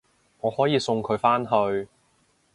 我可以送佢返去